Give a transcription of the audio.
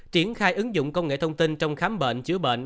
triển khai ứng dụng công nghệ thông tin trong khám bệnh chữa bệnh